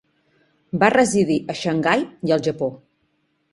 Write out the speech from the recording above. Va residir a Xangai i al Japó.